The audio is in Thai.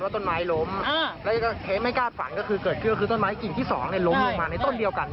ตอนสังวัฒนฐ์